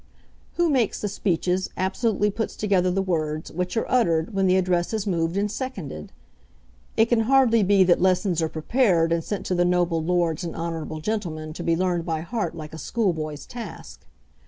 Who makes the speeches, absolutely puts together the words, which are uttered when the Address is moved and seconded? It can hardly be that lessons are prepared and sent to the noble lords and honourable gentlemen to be learned by heart like a school boy's task.